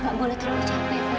kamu harus tidur ya kak fah